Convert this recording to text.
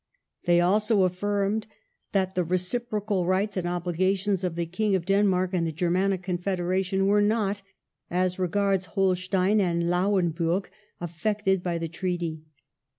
They also affirmed that the reciprocal rights and obligations of the King of Denmark and the Germanic Confederation were not, as regards Holstein and Lauenburg, affected by the treaty.